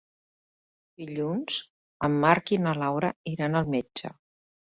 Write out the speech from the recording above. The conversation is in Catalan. Dilluns en Marc i na Laura iran al metge.